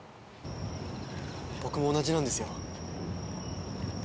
僕も同じなんですよ。